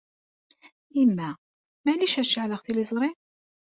A yemma, maɛlic ad ceɛleɣ tiliẓri?